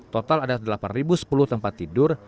total ada delapan sepuluh tempat tidur